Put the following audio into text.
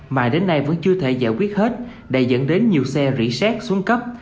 mà đến nay vẫn chưa thể giải quyết hết đã dẫn đến nhiều xe rỉ xét xuống cấp